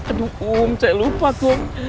aduh kum saya lupa kum